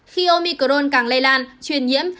khi omicron càng lây lan truyền nhiễm